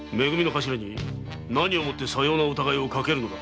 何をもってさような疑いをかけるのだ？